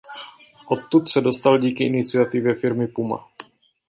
Odtud se dostal díky iniciativě firmy Puma.